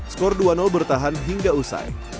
skor dua bertahan hingga usai